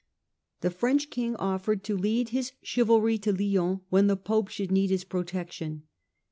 The French king offered to lead his chivalry to Lyons when the Pope should need his protection.